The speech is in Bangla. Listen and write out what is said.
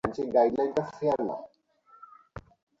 আমি কী তাকে স্টেশনে নিয়ে যাব?